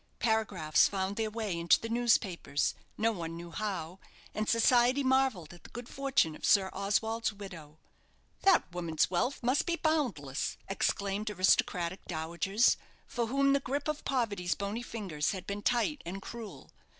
Paragraphs found their way into the newspapers, no one knew how, and society marvelled at the good fortune of Sir Oswald's widow. "That woman's wealth must be boundless," exclaimed aristocratic dowagers, for whom the grip of poverty's bony fingers had been tight and cruel.